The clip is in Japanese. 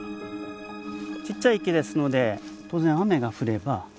ちっちゃい池ですので当然雨が降れば。